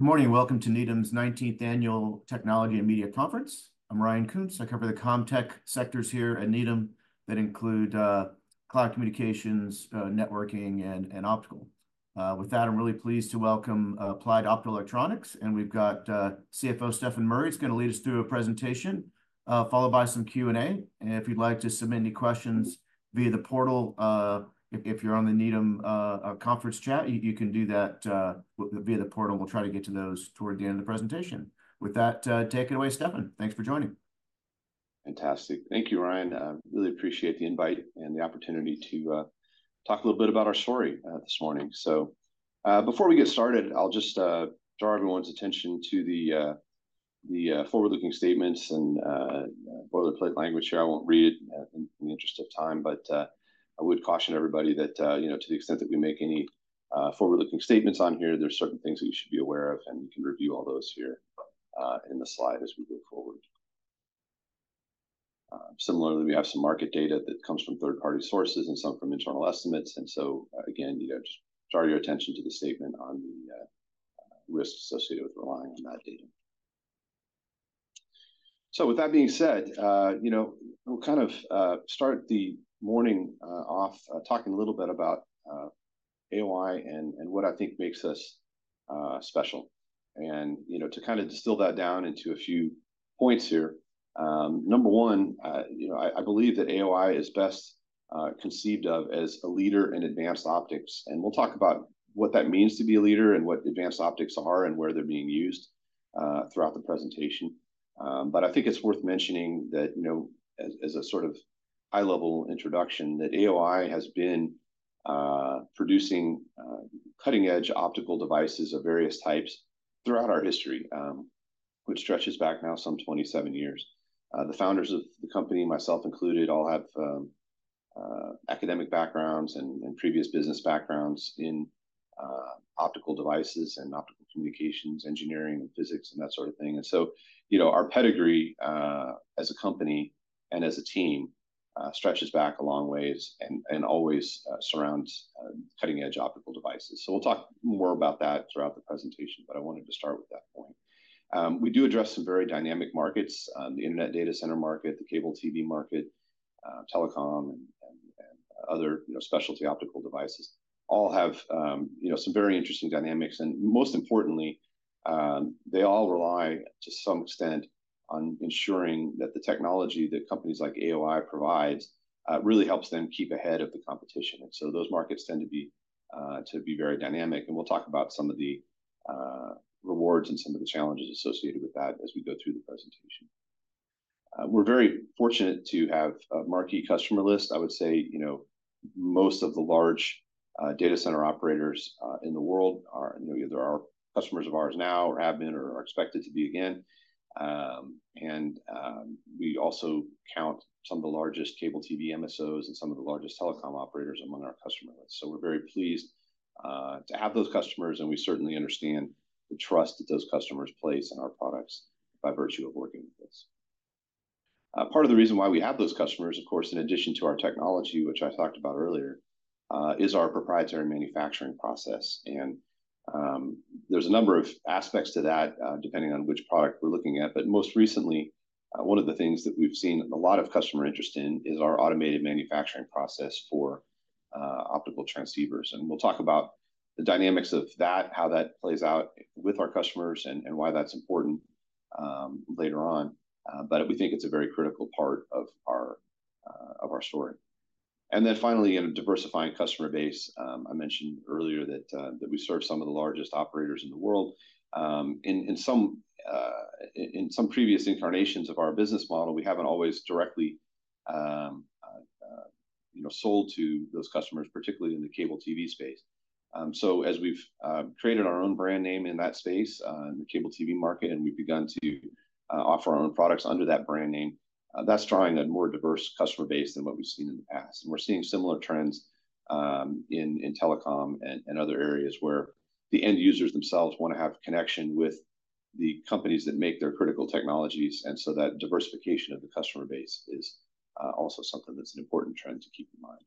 Good morning, and welcome to Needham's 19th Annual Technology and Media Conference. I'm Ryan Koontz. I cover the CommTech sectors here at Needham that include cloud communications, networking, and optical. With that, I'm really pleased to welcome Applied Optoelectronics, and we've got CFO Stefan Murry. He's gonna lead us through a presentation, followed by some Q&A. And if you'd like to submit any questions via the portal, if you're on the Needham conference chat, you can do that via the portal. We'll try to get to those toward the end of the presentation. With that, take it away, Stefan. Thanks for joining. Fantastic. Thank you, Ryan. I really appreciate the invite and the opportunity to talk a little bit about our story this morning. So, before we get started, I'll just draw everyone's attention to the forward-looking statements and boilerplate language here. I won't read it in the interest of time, but I would caution everybody that you know, to the extent that we make any forward-looking statements on here, there's certain things that you should be aware of, and you can review all those here in the slide as we move forward. Similarly, we have some market data that comes from third-party sources and some from internal estimates, and so, again, you know, just draw your attention to the statement on the risks associated with relying on that data. So with that being said, you know, we'll kind of start the morning off talking a little bit about AOI and what I think makes us special. And, you know, to kind of distill that down into a few points here, number one, you know, I believe that AOI is best conceived of as a leader in advanced optics. And we'll talk about what that means to be a leader and what advanced optics are and where they're being used throughout the presentation. But I think it's worth mentioning that, you know, as a sort of high-level introduction, that AOI has been producing cutting-edge optical devices of various types throughout our history, which stretches back now some 27 years. The founders of the company, myself included, all have academic backgrounds and previous business backgrounds in optical devices and optical communications, engineering, and physics, and that sort of thing. And so, you know, our pedigree as a company and as a team stretches back a long ways and always surrounds cutting-edge optical devices. So we'll talk more about that throughout the presentation, but I wanted to start with that point. We do address some very dynamic markets. The internet data center market, the cable TV market, telecom, and other, you know, specialty optical devices all have some very interesting dynamics. And most importantly, they all rely, to some extent, on ensuring that the technology that companies like AOI provides really helps them keep ahead of the competition. Those markets tend to be very dynamic, and we'll talk about some of the rewards and some of the challenges associated with that as we go through the presentation. We're very fortunate to have a marquee customer list. I would say, you know, most of the large data center operators in the world are, you know, either customers of ours now or have been or are expected to be again. And we also count some of the largest cable TV MSOs and some of the largest telecom operators among our customer list. We're very pleased to have those customers, and we certainly understand the trust that those customers place in our products by virtue of working with us. Part of the reason why we have those customers, of course, in addition to our technology, which I talked about earlier, is our proprietary manufacturing process. And, there's a number of aspects to that, depending on which product we're looking at. But most recently, one of the things that we've seen a lot of customer interest in is our automated manufacturing process for, optical transceivers. And we'll talk about the dynamics of that, how that plays out with our customers, and, and why that's important, later on. But we think it's a very critical part of our, of our story. And then finally, in a diversifying customer base, I mentioned earlier that, that we serve some of the largest operators in the world. In some previous incarnations of our business model, we haven't always directly, you know, sold to those customers, particularly in the cable TV space. So as we've created our own brand name in that space, in the cable TV market, and we've begun to offer our own products under that brand name, that's drawing a more diverse customer base than what we've seen in the past. And we're seeing similar trends, in telecom and other areas where the end users themselves wanna have connection with the companies that make their critical technologies. And so that diversification of the customer base is also something that's an important trend to keep in mind.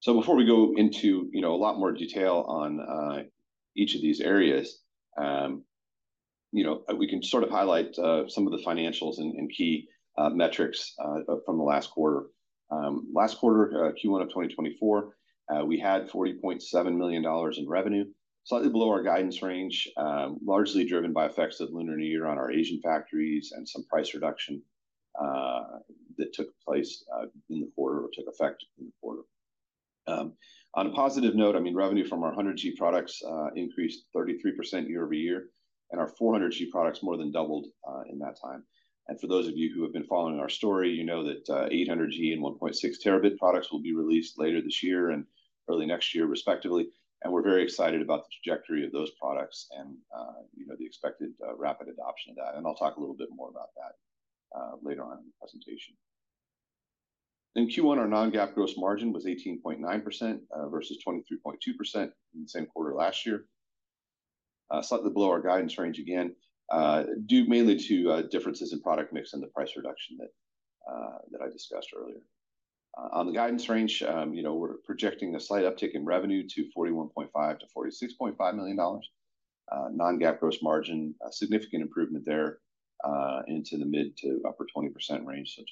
So before we go into, you know, a lot more detail on, each of these areas, you know, we can sort of highlight, some of the financials and key metrics from the last quarter. Last quarter, Q1 of 2024, we had $40.7 million in revenue, slightly below our guidance range, largely driven by effects of Lunar New Year on our Asian factories and some price reduction that took place in the quarter or took effect in the quarter. On a positive note, I mean, revenue from our 100G products increased 33% year-over-year, and our 400G products more than doubled in that time. And for those of you who have been following our story, you know that, 800G and 1.6T products will be released later this year and early next year, respectively. And we're very excited about the trajectory of those products and, you know, the expected, rapid adoption of that. And I'll talk a little bit more about that, later on in the presentation. In Q1, our non-GAAP gross margin was 18.9%, versus 23.2% in the same quarter last year. Slightly below our guidance range, again, due mainly to, differences in product mix and the price reduction that, that I discussed earlier. On the guidance range, you know, we're projecting a slight uptick in revenue to $41.5 million -$46.5 million. non-GAAP gross margin, a significant improvement there, into the mid-to-upper 20% range, so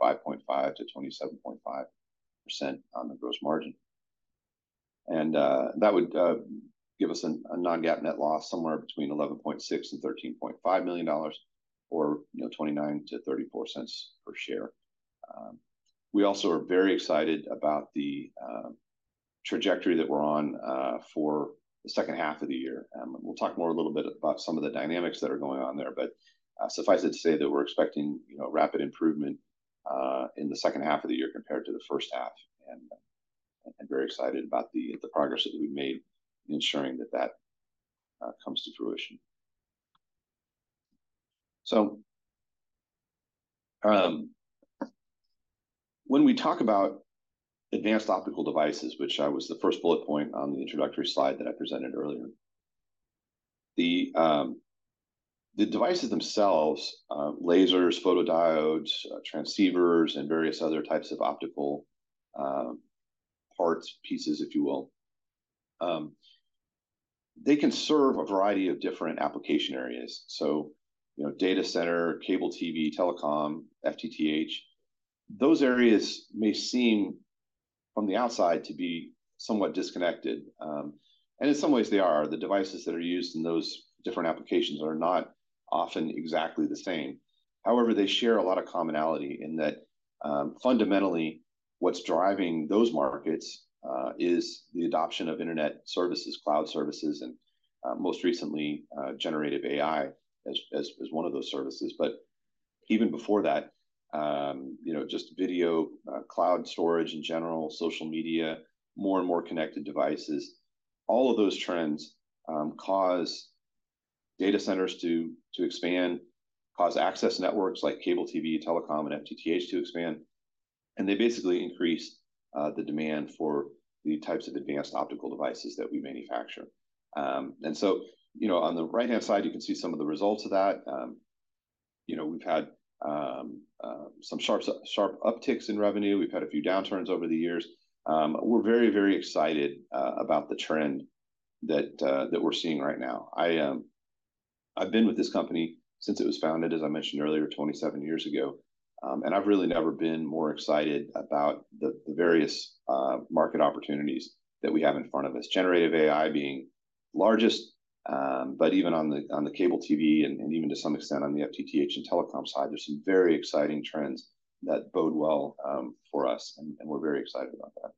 25.5%-27.5% on the gross margin. And, that would give us a non-GAAP net loss somewhere between $11.6 and 13.5 million or, you know, $0.29-$0.34 per share. We also are very excited about the trajectory that we're on for the second half of the year. And we'll talk more a little bit about some of the dynamics that are going on there, but suffice it to say that we're expecting, you know, rapid improvement in the second half of the year compared to the first half, and I'm very excited about the progress that we've made in ensuring that that comes to fruition. So, when we talk about advanced optical devices, which was the first bullet point on the introductory slide that I presented earlier. The devices themselves, lasers, photodiodes, transceivers, and various other types of optical parts, pieces, if you will, they can serve a variety of different application areas. So, you know, data center, cable TV, telecom, FTTH. Those areas may seem, from the outside, to be somewhat disconnected. And in some ways they are. The devices that are used in those different applications are not often exactly the same. However, they share a lot of commonality in that, fundamentally, what's driving those markets is the adoption of internet services, cloud services, and, most recently, generative AI as one of those services. But even before that, you know, just video, cloud storage in general, social media, more and more connected devices, all of those trends cause data centers to expand, cause access networks like cable TV, telecom, and FTTH to expand, and they basically increase the demand for the types of advanced optical devices that we manufacture. And so, you know, on the right-hand side, you can see some of the results of that. You know, we've had some sharp upticks in revenue. We've had a few downturns over the years. We're very, very excited about the trend that we're seeing right now. I, I've been with this company since it was founded, as I mentioned earlier, 27 years ago, and I've really never been more excited about the various market opportunities that we have in front of us. Generative AI being largest, but even on the cable TV and even to some extent on the FTTH and telecom side, there's some very exciting trends that bode well for us, and we're very excited about that.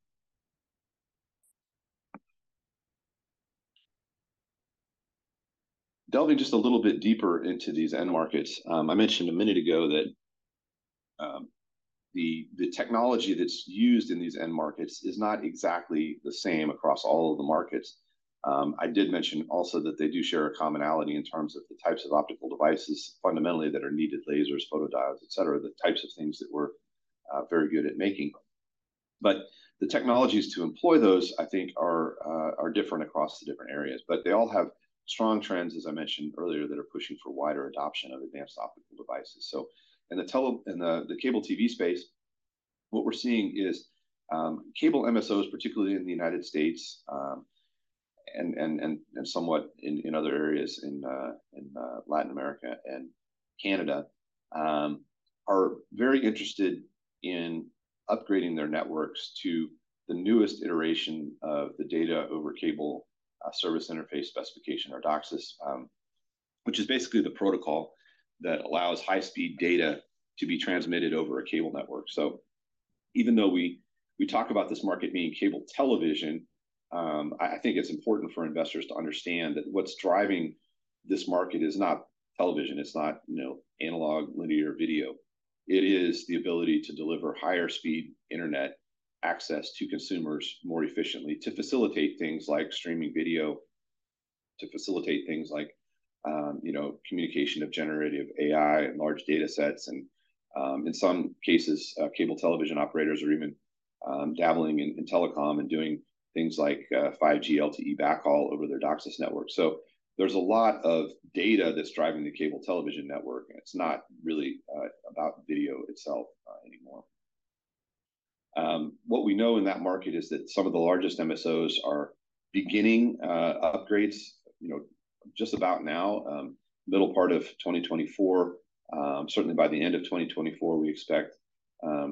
Delving just a little bit deeper into these end markets, I mentioned a minute ago that the technology that's used in these end markets is not exactly the same across all of the markets. I did mention also that they do share a commonality in terms of the types of optical devices, fundamentally, that are needed: lasers, photodiodes, et cetera, the types of things that we're very good at making. But the technologies to employ those, I think, are different across the different areas, but they all have strong trends, as I mentioned earlier, that are pushing for wider adoption of advanced optical devices. So in the cable TV space, what we're seeing is cable MSOs, particularly in the United States, and somewhat in other areas in Latin America and Canada, are very interested in upgrading their networks to the newest iteration of the Data Over Cable Service Interface Specification, or DOCSIS, which is basically the protocol that allows high-speed data to be transmitted over a cable network. So even though we talk about this market being cable television, I think it's important for investors to understand that what's driving this market is not television. It's not, you know, analog, linear video. It is the ability to deliver higher speed Internet access to consumers more efficiently, to facilitate things like streaming video, to facilitate things like, you know, communication of generative AI and large data sets and, in some cases, cable television operators are even, dabbling in, in telecom and doing things like, 5G LTE backhaul over their DOCSIS network. So there's a lot of data that's driving the cable television network, and it's not really about video itself anymore. What we know in that market is that some of the largest MSOs are beginning upgrades, you know, just about now, middle part of 2024. Certainly by the end of 2024, we expect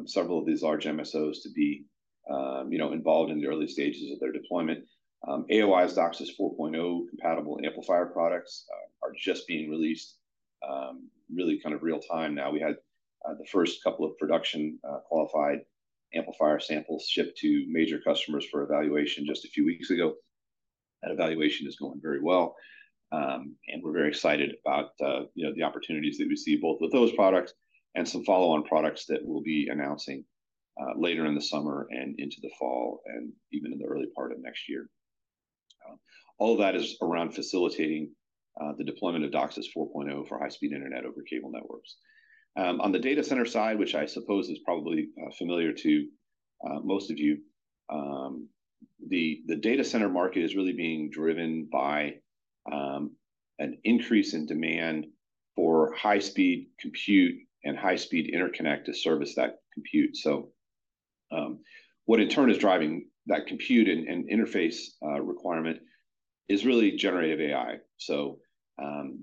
several of these large MSOs to be, you know, involved in the early stages of their deployment. AOI's DOCSIS 4.0 compatible amplifier products are just being released really kind of real time now. We had the first couple of production qualified amplifier samples shipped to major customers for evaluation just a few weeks ago. That evaluation is going very well, and we're very excited about, you know, the opportunities that we see both with those products and some follow-on products that we'll be announcing later in the summer and into the fall, and even in the early part of next year. All that is around facilitating the deployment of DOCSIS 4.0 for high-speed internet over cable networks. On the data center side, which I suppose is probably familiar to-... Most of you, the data center market is really being driven by an increase in demand for high-speed compute and high-speed interconnect to service that compute. So, what in turn is driving that compute and interface requirement is really generative AI. So,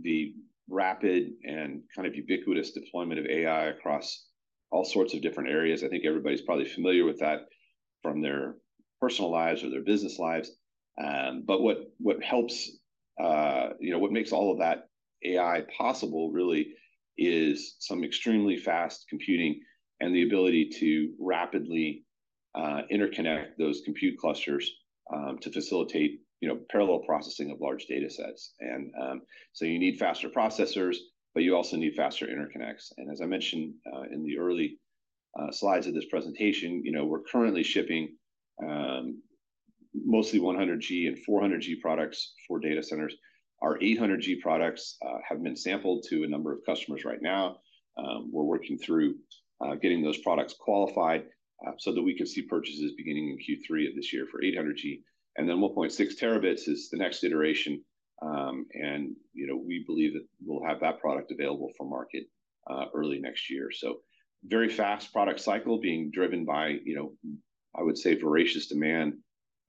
the rapid and kind of ubiquitous deployment of AI across all sorts of different areas, I think everybody's probably familiar with that from their personal lives or their business lives. But what helps, you know, what makes all of that AI possible really is some extremely fast computing and the ability to rapidly interconnect those compute clusters to facilitate, you know, parallel processing of large data sets. And so you need faster processors, but you also need faster interconnects. And as I mentioned, in the early slides of this presentation, you know, we're currently shipping mostly 100G and 400G products for data centers. Our 800G products have been sampled to a number of customers right now. We're working through getting those products qualified, so that we can see purchases beginning in Q3 of this year for 800G. And then 1.6 terabits is the next iteration. And, you know, we believe that we'll have that product available for market early next year. So very fast product cycle being driven by, you know, I would say, voracious demand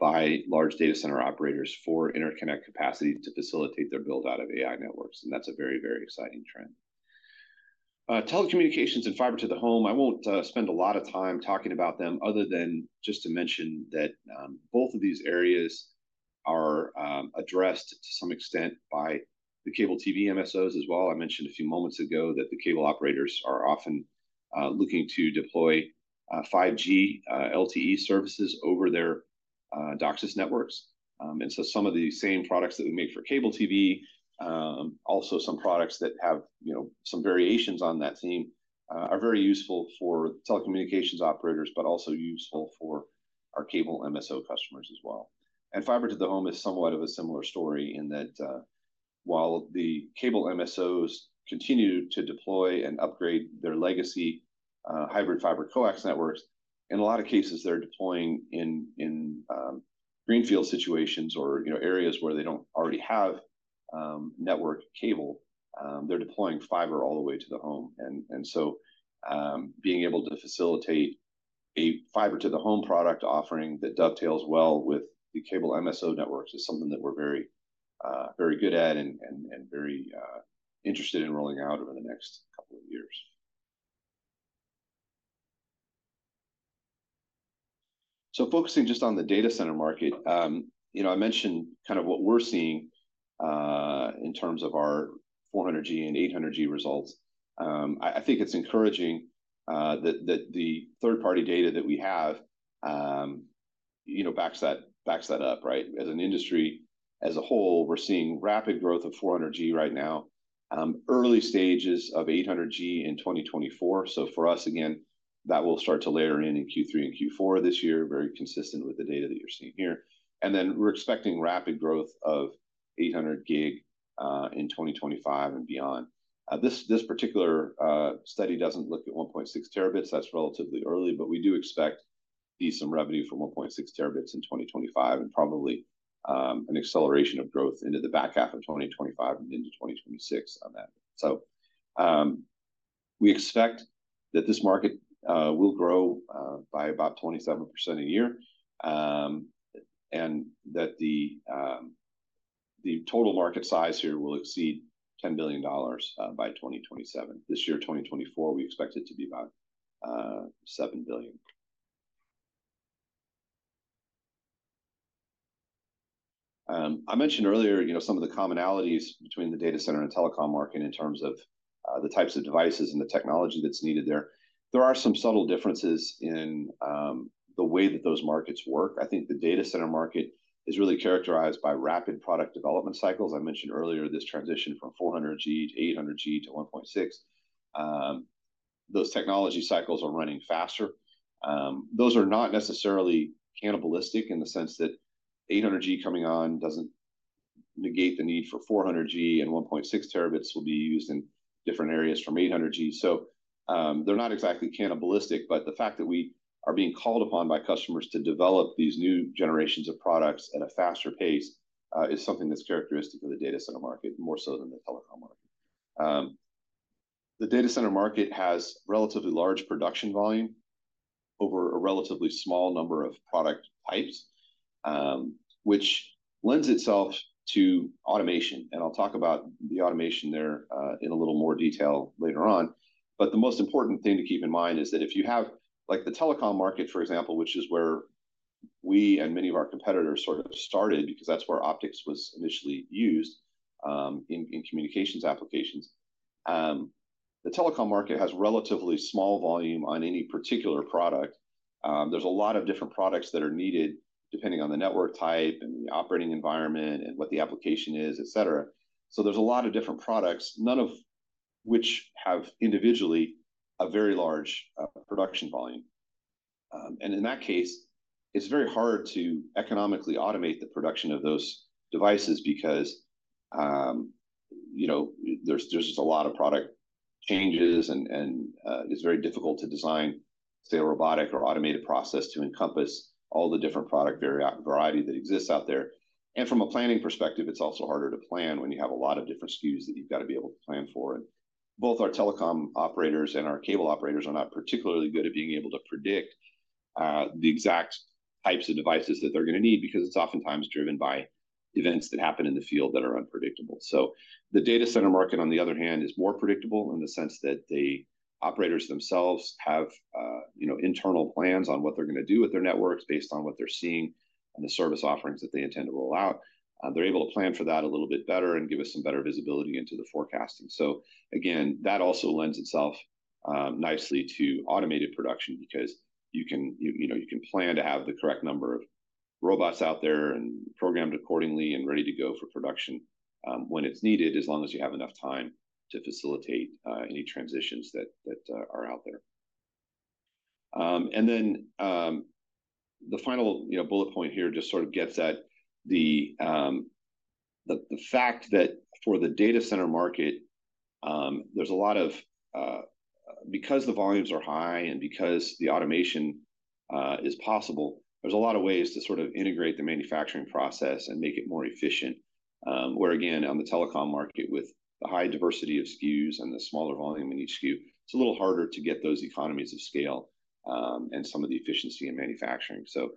by large data center operators for interconnect capacity to facilitate their build-out of AI networks, and that's a very, very exciting trend. Telecommunications and fiber to the home, I won't spend a lot of time talking about them other than just to mention that both of these areas are addressed to some extent by the cable TV MSOs as well. I mentioned a few moments ago that the cable operators are often looking to deploy 5G, LTE services over their DOCSIS networks. And so some of the same products that we make for cable TV, also some products that have, you know, some variations on that theme, are very useful for telecommunications operators, but also useful for our cable MSO customers as well. Fiber to the home is somewhat of a similar story in that, while the cable MSOs continue to deploy and upgrade their legacy hybrid fiber coax networks, in a lot of cases, they're deploying in greenfield situations or, you know, areas where they don't already have network cable. They're deploying fiber all the way to the home. Being able to facilitate a fiber to the home product offering that dovetails well with the cable MSO networks is something that we're very, very good at and very interested in rolling out over the next couple of years. So focusing just on the data center market, you know, I mentioned kind of what we're seeing in terms of our 400G and 800G results. I think it's encouraging that the third-party data that we have, you know, backs that up, right? As an industry as a whole, we're seeing rapid growth of 400G right now. Early stages of 800G in 2024. So for us, again, that will start to layer in in Q3 and Q4 this year, very consistent with the data that you're seeing here. And then we're expecting rapid growth of 800G in 2025 and beyond. This particular study doesn't look at 1.6T. That's relatively early, but we do expect to see some revenue from 1.6T in 2025 and probably an acceleration of growth into the back half of 2025 and into 2026 on that. So, we expect that this market will grow by about 27% a year, and that the total market size here will exceed $10 billion by 2027. This year, 2024, we expect it to be about $7 billion. I mentioned earlier, you know, some of the commonalities between the data center and telecom market in terms of the types of devices and the technology that's needed there. There are some subtle differences in the way that those markets work. I think the data center market is really characterized by rapid product development cycles. I mentioned earlier, this transition from 400G to 800G to 1.6. Those technology cycles are running faster. Those are not necessarily cannibalistic in the sense that 800G coming on doesn't negate the need for 400G, and 1.6 terabits will be used in different areas from 800G. So, they're not exactly cannibalistic, but the fact that we are being called upon by customers to develop these new generations of products at a faster pace is something that's characteristic of the data center market, more so than the telecom market. The data center market has relatively large production volume over a relatively small number of product types, which lends itself to automation, and I'll talk about the automation there in a little more detail later on. But the most important thing to keep in mind is that if you have... Like the telecom market, for example, which is where we and many of our competitors sort of started, because that's where optics was initially used, in communications applications. The telecom market has relatively small volume on any particular product. There's a lot of different products that are needed depending on the network type and the operating environment and what the application is, et cetera. So there's a lot of different products, none of which have individually a very large production volume. And in that case, it's very hard to economically automate the production of those devices because, you know, there's just a lot of product changes, and it's very difficult to design, say, a robotic or automated process to encompass all the different product variety that exists out there. From a planning perspective, it's also harder to plan when you have a lot of different SKUs that you've got to be able to plan for. Both our telecom operators and our cable operators are not particularly good at being able to predict, the exact types of devices that they're gonna need, because it's oftentimes driven by events that happen in the field that are unpredictable. So the data center market, on the other hand, is more predictable in the sense that the operators themselves have, you know, internal plans on what they're gonna do with their networks based on what they're seeing and the service offerings that they intend to roll out. They're able to plan for that a little bit better and give us some better visibility into the forecasting. So again, that also lends itself nicely to automated production because you can, you know, you can plan to have the correct number of robots out there and programmed accordingly and ready to go for production, when it's needed, as long as you have enough time to facilitate any transitions that are out there. And then, the final, you know, bullet point here just sort of gets at the fact that for the data center market, there's a lot of. Because the volumes are high and because the automation is possible, there's a lot of ways to sort of integrate the manufacturing process and make it more efficient. Where again, on the telecom market, with the high diversity of SKUs and the smaller volume in each SKU, it's a little harder to get those economies of scale, and some of the efficiency in manufacturing. So,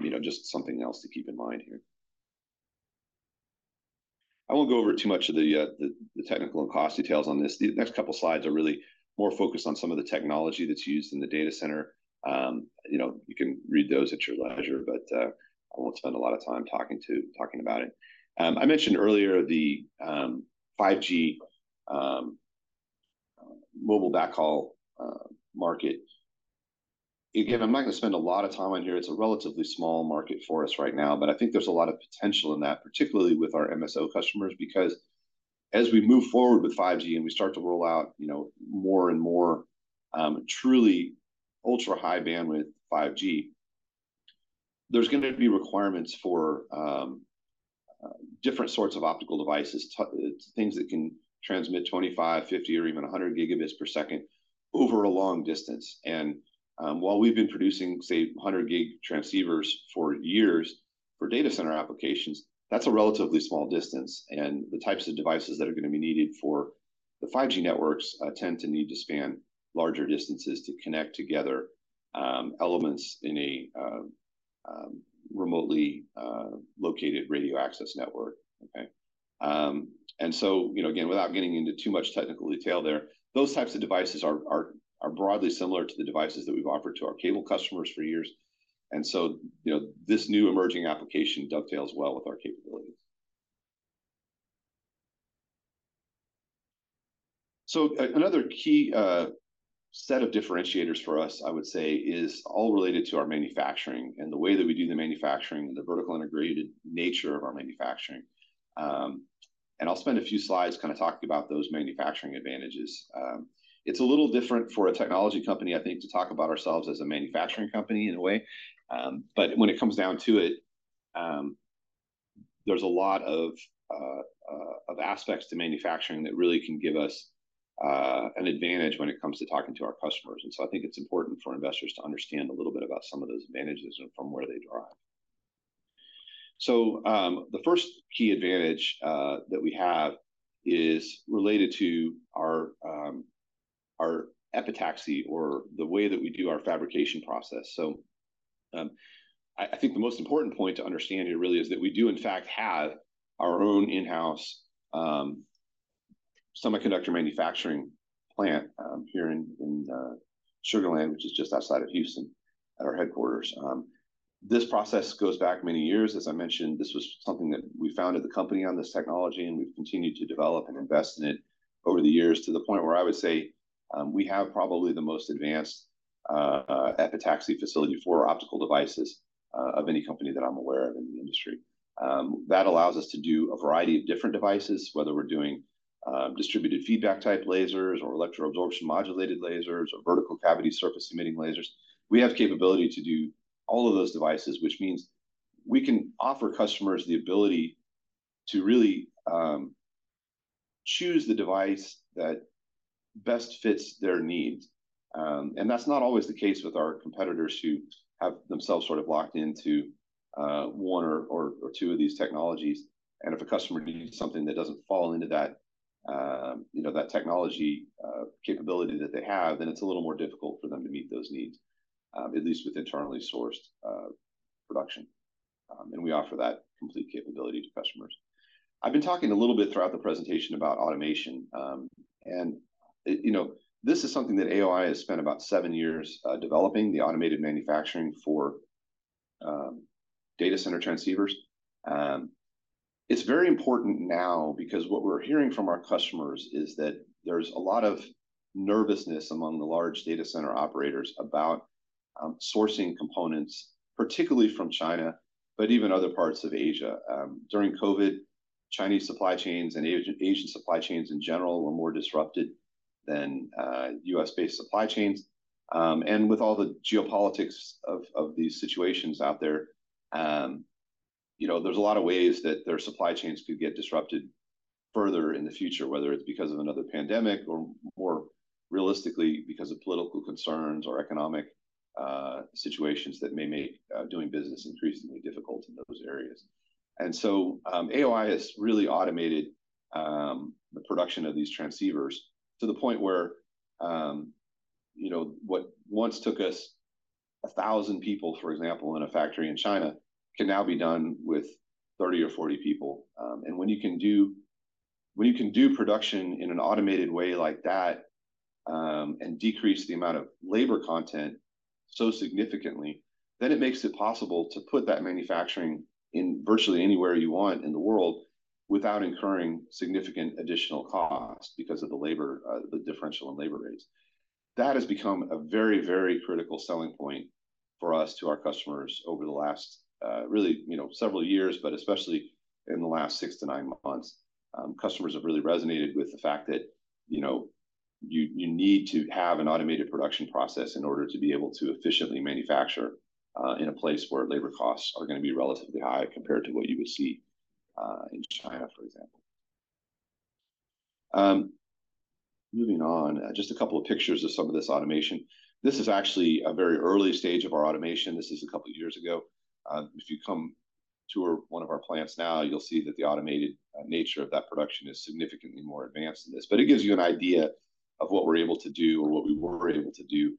you know, just something else to keep in mind here. I won't go over too much of the technical and cost details on this. The next couple of slides are really more focused on some of the technology that's used in the data center. You know, you can read those at your leisure, but, I won't spend a lot of time talking about it. I mentioned earlier the 5G mobile backhaul market. Again, I'm not going to spend a lot of time on here. It's a relatively small market for us right now, but I think there's a lot of potential in that, particularly with our MSO customers, because as we move forward with 5G and we start to roll out, you know, more and more, truly ultra-high bandwidth 5G, there's going to be requirements for, different sorts of optical devices, things that can transmit 25, 50, or even 100 gigabits per second over a long distance. And, while we've been producing, say, 100 gig transceivers for years for data center applications, that's a relatively small distance. And the types of devices that are gonna be needed for the 5G networks, tend to need to span larger distances to connect together, elements in a, remotely, located radio access network, okay? And so, you know, again, without getting into too much technical detail there, those types of devices are broadly similar to the devices that we've offered to our cable customers for years. And so, you know, this new emerging application dovetails well with our capabilities. So another key set of differentiators for us, I would say, is all related to our manufacturing and the way that we do the manufacturing and the vertically integrated nature of our manufacturing. And I'll spend a few slides kind of talking about those manufacturing advantages. It's a little different for a technology company, I think, to talk about ourselves as a manufacturing company in a way. But when it comes down to it, there's a lot of aspects to manufacturing that really can give us an advantage when it comes to talking to our customers. And so I think it's important for investors to understand a little bit about some of those advantages and from where they derive. So, the first key advantage that we have is related to our epitaxy or the way that we do our fabrication process. So, I think the most important point to understand here really is that we do in fact have our own in-house semiconductor manufacturing plant here in Sugar Land, which is just outside of Houston, at our headquarters. This process goes back many years. As I mentioned, this was something that we founded the company on this technology, and we've continued to develop and invest in it over the years, to the point where I would say we have probably the most advanced epitaxy facility for optical devices of any company that I'm aware of in the industry. That allows us to do a variety of different devices, whether we're doing distributed feedback-type lasers or electroabsorption modulated lasers, or vertical cavity surface emitting lasers. We have capability to do all of those devices, which means we can offer customers the ability to really choose the device that best fits their needs. And that's not always the case with our competitors, who have themselves sort of locked into one or two of these technologies. If a customer needs something that doesn't fall into that, you know, that technology capability that they have, then it's a little more difficult for them to meet those needs, at least with internally sourced production. We offer that complete capability to customers. I've been talking a little bit throughout the presentation about automation. You know, this is something that AOI has spent about seven years developing, the automated manufacturing for data center transceivers. It's very important now because what we're hearing from our customers is that there's a lot of nervousness among the large data center operators about sourcing components, particularly from China, but even other parts of Asia. During COVID, Chinese supply chains and Asian supply chains in general were more disrupted than U.S.-based supply chains. And with all the geopolitics of these situations out there, you know, there's a lot of ways that their supply chains could get disrupted further in the future, whether it's because of another pandemic or more realistically, because of political concerns or economic situations that may make doing business increasingly difficult in those areas. AOI has really automated the production of these transceivers to the point where, you know, what once took us 1,000 people, for example, in a factory in China, can now be done with 30 or 40 people. And when you can do production in an automated way like that, and decrease the amount of labor content so significantly, then it makes it possible to put that manufacturing in virtually anywhere you want in the world, without incurring significant additional costs because of the labor, the differential in labor rates. That has become a very, very critical selling point for us to our customers over the last, really, you know, several years, but especially in the last 6-9 months. Customers have really resonated with the fact that, you know, you, you need to have an automated production process in order to be able to efficiently manufacture, in a place where labor costs are gonna be relatively high compared to what you would see, in China, for example. Moving on, just a couple of pictures of some of this automation. This is actually a very early stage of our automation. This is a couple of years ago. If you come tour one of our plants now, you'll see that the automated nature of that production is significantly more advanced than this. But it gives you an idea of what we're able to do or what we were able to do,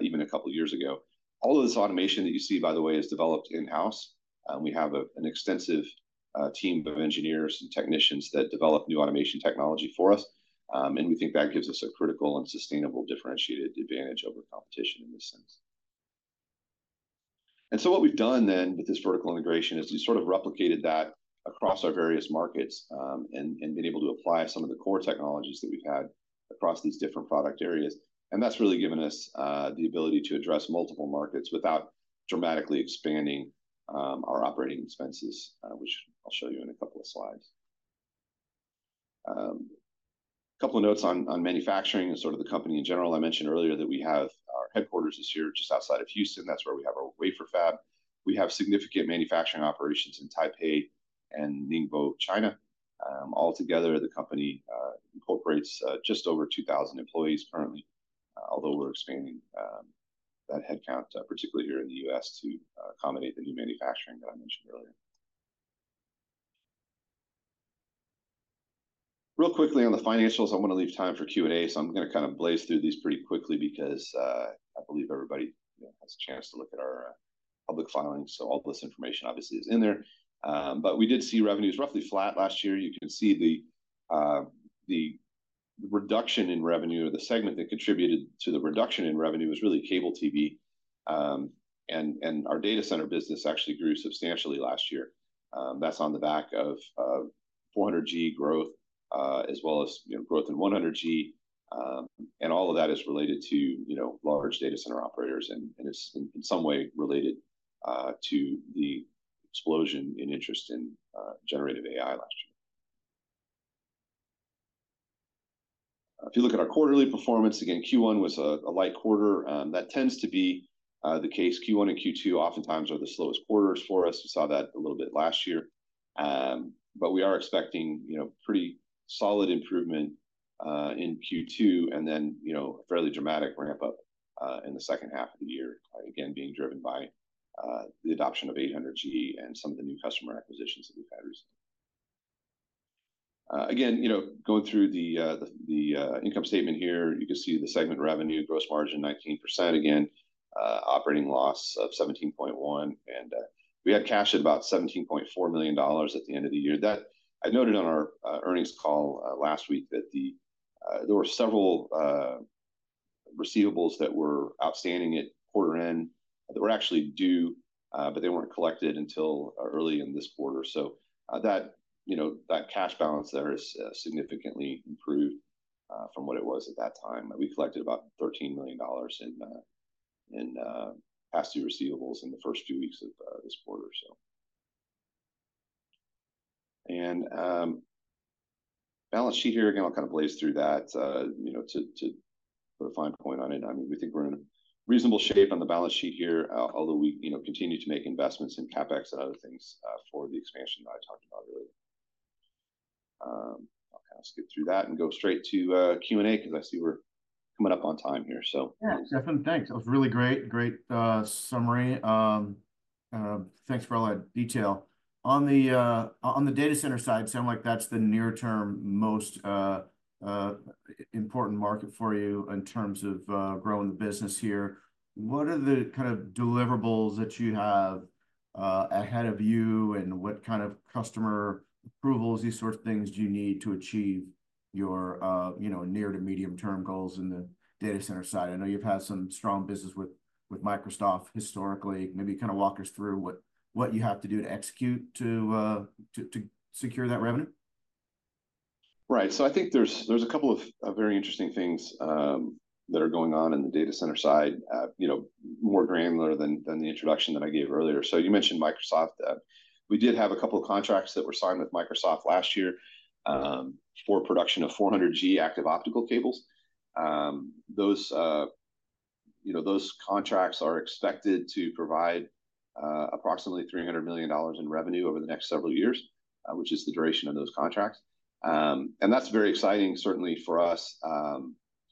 even a couple of years ago. All of this automation that you see, by the way, is developed in-house. We have an extensive team of engineers and technicians that develop new automation technology for us, and we think that gives us a critical and sustainable differentiated advantage over competition in this sense. And so what we've done then with this vertical integration is we sort of replicated that across our various markets, and been able to apply some of the core technologies that we've had across these different product areas. That's really given us the ability to address multiple markets without dramatically expanding our operating expenses, which I'll show you in a couple of slides. A couple of notes on manufacturing and sort of the company in general. I mentioned earlier that we have our headquarters is here, just outside of Houston. That's where we have our wafer fab. We have significant manufacturing operations in Taipei and Ningbo, China. Altogether, the company incorporates just over 2,000 employees currently, although we're expanding that headcount, particularly here in the U.S. to accommodate the new manufacturing that I mentioned earlier. Real quickly on the financials, I wanna leave time for Q&A, so I'm gonna kind of blaze through these pretty quickly because I believe everybody, you know, has a chance to look at our public filings, so all this information obviously is in there. But we did see revenues roughly flat last year. You can see the reduction in revenue, or the segment that contributed to the reduction in revenue was really cable TV. And our data center business actually grew substantially last year. That's on the back of 400G growth, as well as, you know, growth in 100G. And all of that is related to, you know, large data center operators, and it's in some way related to the explosion in interest in generative AI last year. If you look at our quarterly performance, again, Q1 was a light quarter. That tends to be the case. Q1 and Q2 oftentimes are the slowest quarters for us. We saw that a little bit last year. But we are expecting, you know, pretty solid improvement in Q2, and then, you know, a fairly dramatic ramp up in the second half of the year, again, being driven by the adoption of 800G and some of the new customer acquisitions that we've had recently. Again, you know, going through the income statement here, you can see the segment revenue, gross margin, 19% again, operating loss of $17.1 million, and we had cash of about $17.4 million at the end of the year. That I noted on our earnings call last week, that there were several receivables that were outstanding at quarter end, that were actually due, but they weren't collected until early in this quarter. So, that, you know, that cash balance there is significantly improved from what it was at that time. We collected about $13 million in past due receivables in the first two weeks of this quarter, so... Balance sheet here, again, I'll kind of blaze through that, you know, to put a fine point on it. I mean, we think we're in reasonable shape on the balance sheet here, although we, you know, continue to make investments in CapEx and other things, for the expansion that I talked about earlier. I'll kind of skip through that and go straight to Q&A, because I see we're coming up on time here, so- Yeah, definitely. Thanks. That was really great, great summary. Thanks for all that detail. On the data center side, sounds like that's the near-term most important market for you in terms of growing the business here. What are the kind of deliverables that you have ahead of you, and what kind of customer approvals, these sort of things, do you need to achieve your, you know, near to medium-term goals in the data center side? I know you've had some strong business with Microsoft historically. Maybe kind of walk us through what you have to do to execute to secure that revenue. Right. So I think there's a couple of very interesting things that are going on in the data center side, you know, more granular than the introduction that I gave earlier. So you mentioned Microsoft. We did have a couple of contracts that were signed with Microsoft last year, for production of 400G active optical cables. Those, you know, those contracts are expected to provide approximately $300 million in revenue over the next several years, which is the duration of those contracts. And that's very exciting certainly for us.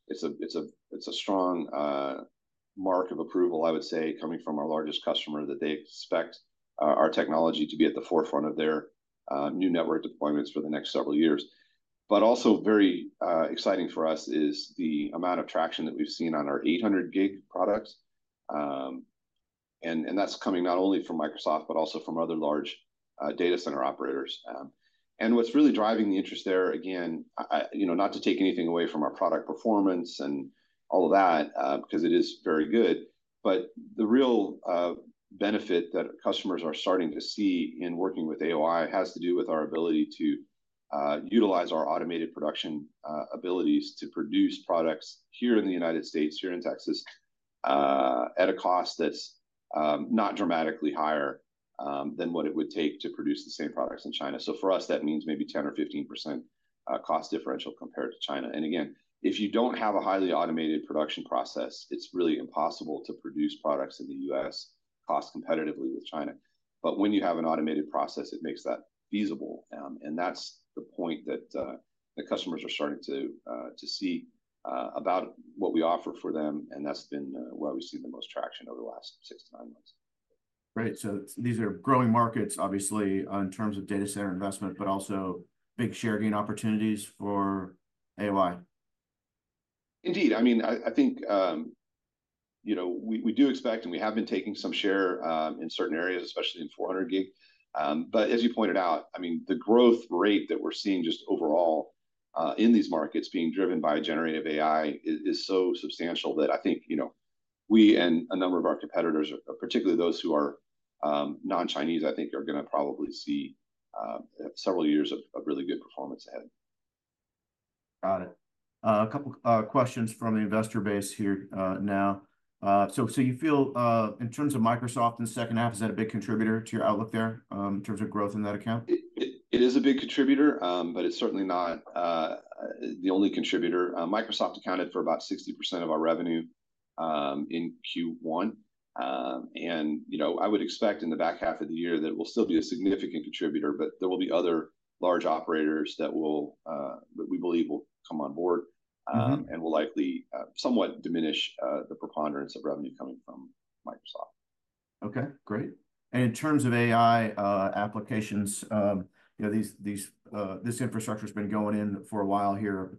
It's a strong mark of approval, I would say, coming from our largest customer, that they expect our technology to be at the forefront of their new network deployments for the next several years. But also very exciting for us is the amount of traction that we've seen on our 800G products. And that's coming not only from Microsoft, but also from other large data center operators. And what's really driving the interest there, again, you know, not to take anything away from our product performance and all of that, because it is very good, but the real benefit that customers are starting to see in working with AOI has to do with our ability to utilize our automated production abilities to produce products here in the United States, here in Texas, at a cost that's not dramatically higher than what it would take to produce the same products in China. So for us, that means maybe 10 or 15% cost differential compared to China. And again, if you don't have a highly automated production process, it's really impossible to produce products in the U.S. cost competitively with China. But when you have an automated process, it makes that feasible, and that's the point that the customers are starting to see about what we offer for them, and that's been where we've seen the most traction over the last six to nine months. Right. So these are growing markets, obviously, in terms of data center investment, but also big share gain opportunities for AOI. Indeed. I mean, I think, you know, we do expect, and we have been taking some share in certain areas, especially in 400G. But as you pointed out, I mean, the growth rate that we're seeing just overall in these markets being driven by generative AI is so substantial that I think, you know, we and a number of our competitors, particularly those who are non-Chinese, I think are gonna probably see several years of really good performance ahead. Got it. A couple questions from the investor base here now. So you feel, in terms of Microsoft in the second half, is that a big contributor to your outlook there, in terms of growth in that account? It is a big contributor, but it's certainly not the only contributor. Microsoft accounted for about 60% of our revenue in Q1. You know, I would expect in the back half of the year that it will still be a significant contributor, but there will be other large operators that we believe will come on board- Mm-hmm... and will likely somewhat diminish the preponderance of revenue coming from Microsoft. Okay, great. In terms of AI applications, you know, these, these, this infrastructure's been going in for a while here,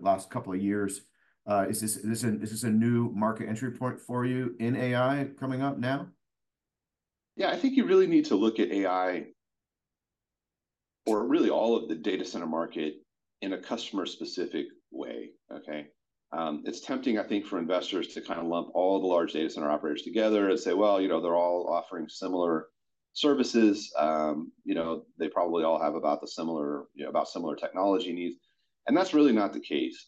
last couple of years. Is this, is this a, is this a new market entry point for you in AI coming up now? Yeah. I think you really need to look at AI or really all of the data center market in a customer-specific way, okay? It's tempting, I think, for investors to kind of lump all the large data center operators together and say, "Well, you know, they're all offering similar services. You know, they probably all have about the similar, you know, about similar technology needs." And that's really not the case.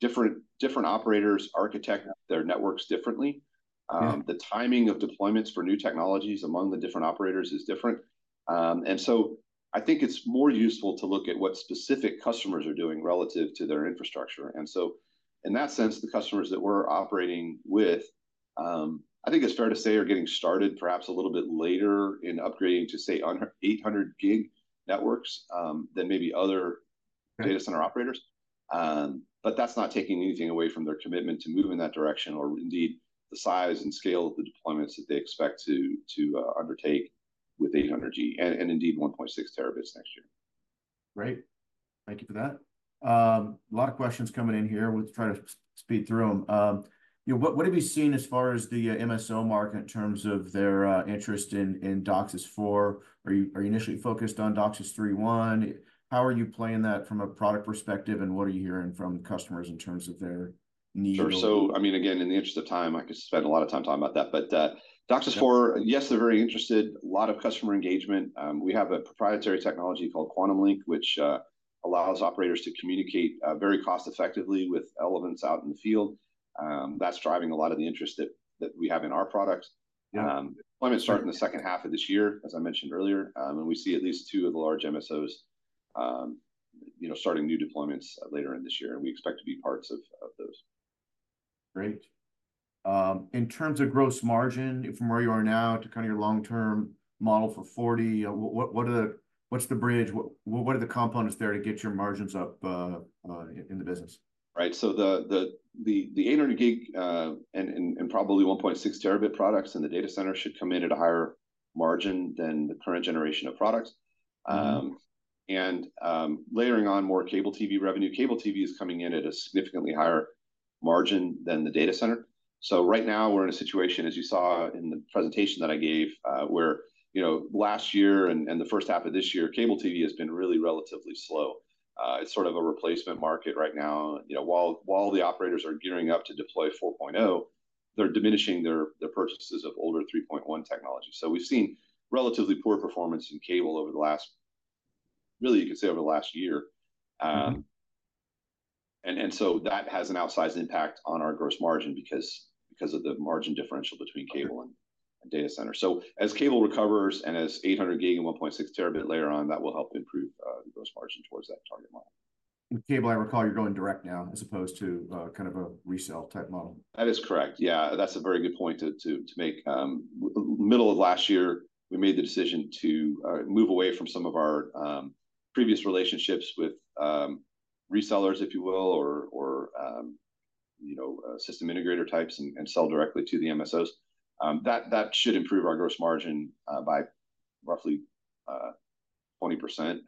Different, different operators architect their networks differently. Mm-hmm. The timing of deployments for new technologies among the different operators is different. So I think it's more useful to look at what specific customers are doing relative to their infrastructure. So in that sense, the customers that we're operating with, I think it's fair to say are getting started perhaps a little bit later in upgrading to, say, on 800 gig networks, than maybe other- Right... data center operators. But that's not taking anything away from their commitment to move in that direction, or indeed, the size and scale of the deployments that they expect to undertake with 800G, and indeed 1.6 terabits next year. Great. Thank you for that. A lot of questions coming in here. We'll try to speed through them. You know, what have you seen as far as the MSO market in terms of their interest in DOCSIS 4? Are you initially focused on DOCSIS 3.1? How are you playing that from a product perspective, and what are you hearing from customers in terms of their needs? Sure. So I mean, again, in the interest of time, I could spend a lot of time talking about that. But, DOCSIS 4, yes, they're very interested. A lot of customer engagement. We have a proprietary technology called Quantum Link, which allows operators to communicate very cost-effectively with elements out in the field. That's driving a lot of the interest that we have in our products. Yeah. Deployments start in the second half of this year, as I mentioned earlier, and we see at least two of the large MSOs, you know, starting new deployments later in this year, and we expect to be parts of, of those. Great. In terms of gross margin, from where you are now to kind of your long-term model for 40%, what are the... What's the bridge? What are the components there to get your margins up in the business? Right. So the 800 gig, and probably 1.6 terabit products in the data center should come in at a higher margin than the current generation of products. Mm-hmm. Layering on more cable TV revenue, cable TV is coming in at a significantly higher margin than the data center. So right now we're in a situation, as you saw in the presentation that I gave, where, you know, last year and the first half of this year, cable TV has been really relatively slow. It's sort of a replacement market right now. You know, while the operators are gearing up to deploy 4.0, they're diminishing their purchases of older 3.1 technology. So we've seen relatively poor performance in cable. Really, you could say over the last year. So that has an outsized impact on our gross margin because of the margin differential between cable and data center. So as cable recovers and as 800G and 1.6T later on, that will help improve the gross margin towards that target model. Cable, I recall you're going direct now as opposed to kind of a resale type model. That is correct. Yeah, that's a very good point to make. Middle of last year, we made the decision to move away from some of our previous relationships with resellers, if you will, or you know, system integrator types and sell directly to the MSOs. That should improve our gross margin by roughly 20%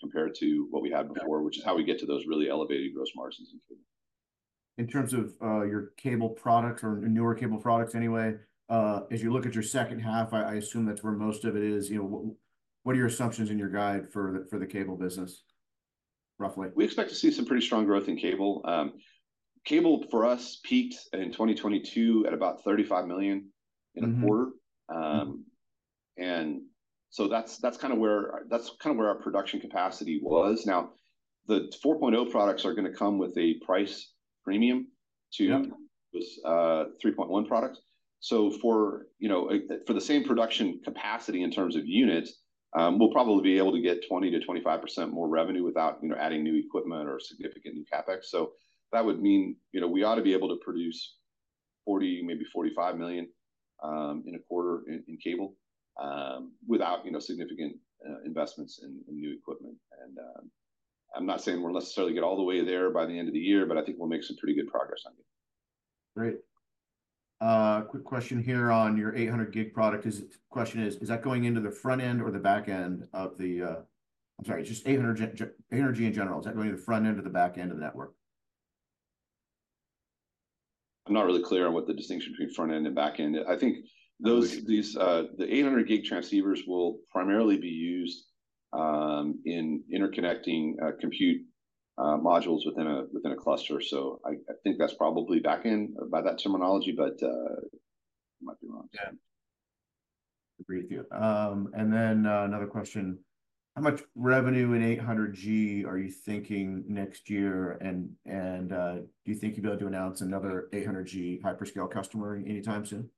compared to what we had before- Got it... which is how we get to those really elevated gross margins in cable. In terms of, your cable product or newer cable products anyway, as you look at your second half, I, I assume that's where most of it is. You know, what, what are your assumptions in your guide for the, for the cable business, roughly? We expect to see some pretty strong growth in cable. Cable for us peaked in 2022 at about $35 million in a quarter. Mm-hmm. Mm-hmm. That's kind of where our production capacity was. Now, the 4.0 products are going to come with a price premium to- Mm-hmm... those, 3.1 products. So for, you know, for the same production capacity in terms of units, we'll probably be able to get 20%-25% more revenue without, you know, adding new equipment or significant new CapEx. So that would mean, you know, we ought to be able to produce $40 million, maybe $45 million, in a quarter in, in cable, without, you know, significant, investments in, in new equipment. And, I'm not saying we'll necessarily get all the way there by the end of the year, but I think we'll make some pretty good progress on it. Great. Quick question here on your 800G product. Question is, is that going into the front end or the back end of the network? I'm sorry, just 800G generally, is that going to the front end or the back end of the network? I'm not really clear on what the distinction between front end and back end. I think those- Okay... these, the 800G transceivers will primarily be used in interconnecting compute modules within a cluster. So I think that's probably back end by that terminology, but I might be wrong. Yeah. Agree with you. And then, another question: How much revenue in 800G are you thinking next year, and do you think you'll be able to announce another 800G hyperscale customer anytime soon?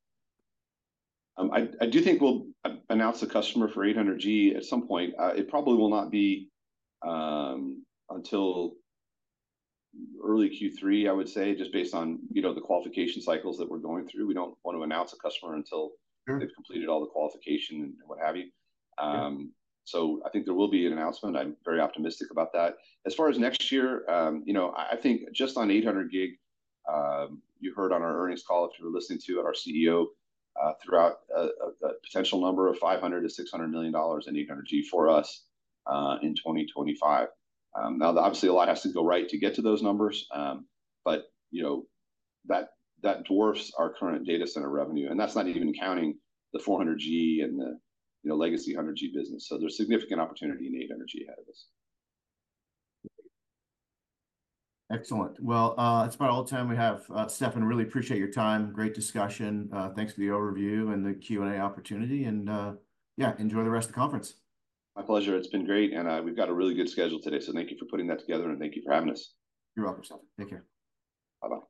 I do think we'll announce a customer for 800G at some point. It probably will not be until early Q3, I would say, just based on, you know, the qualification cycles that we're going through. We don't want to announce a customer until- Sure... they've completed all the qualification and what have you. Yeah. So I think there will be an announcement. I'm very optimistic about that. As far as next year, you know, I think just on 800G, you heard on our earnings call, if you were listening to our CEO, threw out a potential number of $500 million-$600 million in 800G for us, in 2025. Now, obviously, a lot has to go right to get to those numbers. But, you know, that dwarfs our current data center revenue, and that's not even counting the 400G and the, you know, legacy 100G business. So there's significant opportunity in 800G ahead of us. Excellent. Well, that's about all the time we have. Stefan, really appreciate your time. Great discussion. Thanks for the overview and the Q&A opportunity. And, yeah, enjoy the rest of the conference. My pleasure. It's been great, and we've got a really good schedule today. So thank you for putting that together, and thank you for having us. You're welcome, Stefan. Take care. Bye-bye.